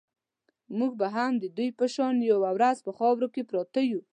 موږ به هم د دوی په شان یوه ورځ په خاورو کې پراته یو.